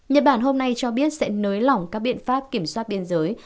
nhật bản hôm nay cho biết sẽ nới lỏng các biện pháp kiểm soát biên giới